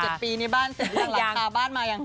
วันนี้๕๖๗ปีในบ้านเสร็จหรือยังหลักคาบ้านมายัง